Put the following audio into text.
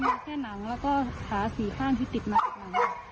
มีแค่หนังแล้วก็ขาสี่ข้างที่ติดมาอีกหลัง